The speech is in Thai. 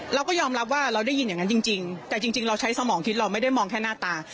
เราก็ยอมรับว่าเราได้ยินอย่างนั้นจริงแต่จริงเราใช้สมองคิดเราไม่ได้มองแค่หน้าตา